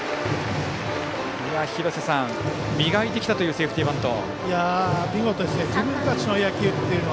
廣瀬さん、磨いてきたというセーフティーバント。